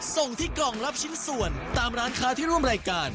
ส่งที่กล่องรับชิ้นส่วนตามร้านค้าที่ร่วมรายการ